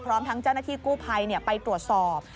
พร้อมทั้งเจ้าหน้าที่กู้ภัยไปตรวจสอบ